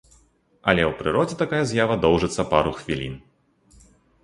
Але ў прыродзе такая з'ява доўжыцца пару хвілін.